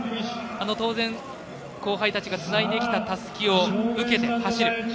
当然、後輩たちがつないできたたすきを受けて走る。